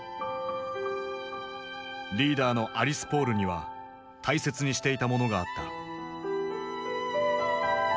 リーダーのアリス・ポールには大切にしていたものがあった。